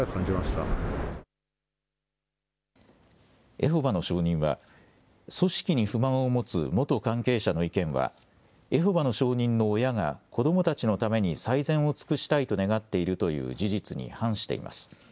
エホバの証人は組織に不満を持つ元関係者の意見はエホバの証人の親が子どもたちのために最善を尽くしたいと願っているという事実に反しています。